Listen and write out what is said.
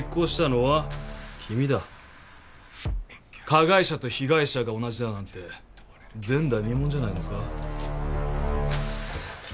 加害者と被害者が同じだなんて前代未聞じゃないのか。